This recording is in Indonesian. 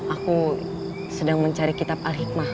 aku sedang mencari kitab al hikmah